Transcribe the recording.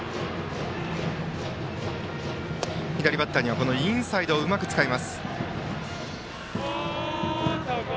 左バッターにはインサイドをうまく使う南。